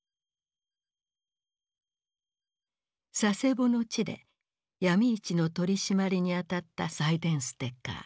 佐世保の地で闇市の取締りに当たったサイデンステッカー。